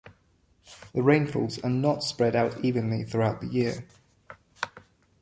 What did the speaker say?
The rainfalls are not spread out evenly throughout the year.